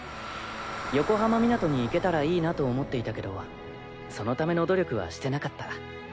横浜湊に行けたらいいなと思っていたけどそのための努力はしてなかった。